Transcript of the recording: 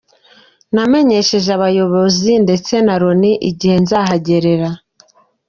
Namenyesheje abayobozi ndetse na Loni igihe nzahagerera.”